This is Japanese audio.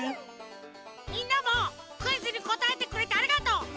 みんなもクイズにこたえてくれてありがとう。